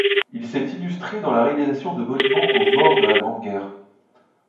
Il s'est illustré dans la réalisation de monuments aux morts de la Grande Guerre.